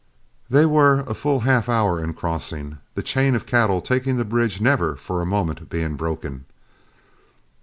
They were a full half hour in crossing, the chain of cattle taking the bridge never for a moment being broken.